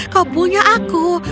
kau punya aku